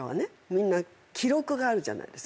みんな記録があるじゃないですか。